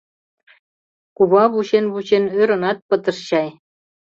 Кува вучен-вучен ӧрынат пытыш чай.